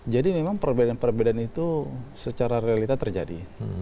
jadi memang perbedaan perbedaan itu secara realita terjadi